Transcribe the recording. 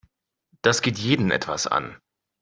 Das geht jeden etwas an.